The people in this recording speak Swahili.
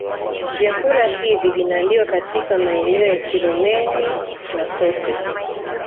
Vyakula hivi vinaliwa katika maeneo ya Kilomeni na Sofe